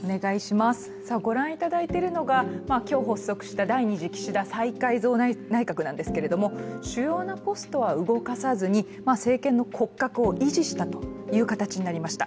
ご覧いただいているのが今日、発足した第２次岸田再改造内閣なんですけれども主要なポストは動かさずに政権の骨格を維持したという形になりました。